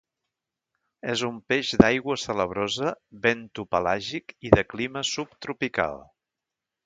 És un peix d'aigua salabrosa, bentopelàgic i de clima subtropical.